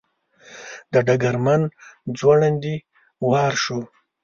د ډګرمن ځونډي وار شو.